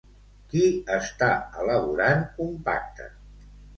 Qui està elaborant un pacte?